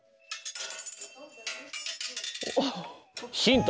ヒント！